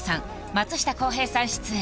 松下洸平さん出演